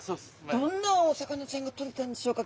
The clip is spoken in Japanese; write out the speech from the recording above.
どんなお魚ちゃんがとれたんでしょうか？